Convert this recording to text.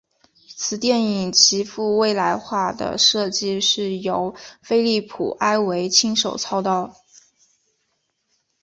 该电影极富未来化的设计是由菲利普埃维亲手操刀。